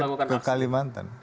dia pamit ke kalimantan